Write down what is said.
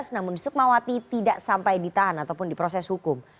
namun sukmawati tidak sampai ditahan ataupun diproses hukum